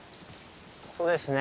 そうですね。